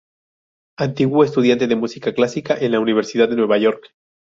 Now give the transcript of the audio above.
Antiguo estudiante de música clásica en la Universidad de York.